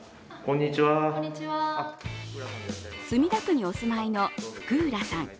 墨田区にお住まいの福浦さん。